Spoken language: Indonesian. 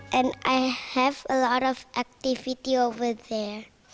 dan saya memiliki banyak aktivitas di sana